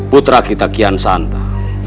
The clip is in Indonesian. putra kita kian santang